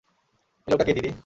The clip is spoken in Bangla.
ওই লোকটা কে দিদি?